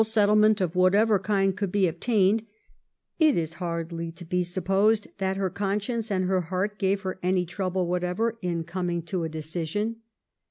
settlement of whatever kind could be obtained — it is hardly to be supposed that her conscience and her heart gave her any trouble whatever in coming to a decision.